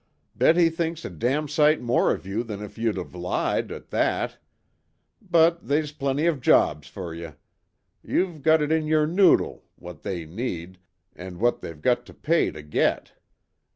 "Bet he thinks a damn sight more of you than if you'd of lied, at that. But they's plenty of jobs fer you. You've got it in your noodle what they need an' what they've got to pay to get.